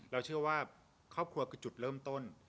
เชื่อว่าครอบครัวคือจุดเริ่มต้น